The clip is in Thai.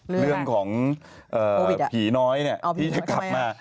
เรื่องของผีน้อยที่จะกลับมา